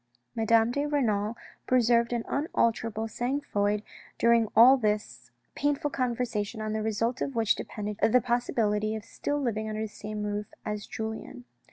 Madame de Renal preserved an unalterable sang froid during all this painful conversation on the result of which depended the possibility of still living under the same roof as Julien.